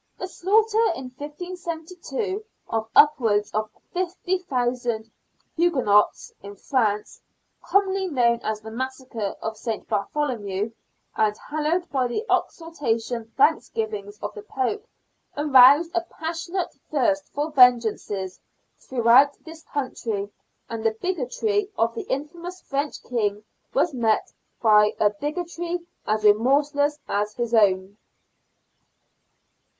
The slaughter in 1572 of upwards of 50,000 Huguenots in France, commonly known as the massacre of St. Bartholo mew, and hallowed by the exultant thanksgivings of the Pope, aroused a passionate thirst for vengeance throughout this country, and the bigotry of the infamous French King was met by a bigotry as remorseless as his own.